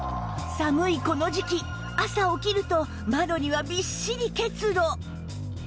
寒いこの時期朝起きると窓にはびっしり結露